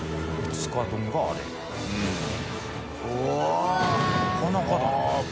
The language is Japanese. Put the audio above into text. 舛叩なかなかだな。